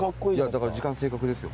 だから時間正確ですよ。